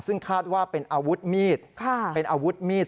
ซึ่งคาดว่าเป็นอาวุธมีด